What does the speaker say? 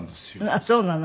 あっそうなの。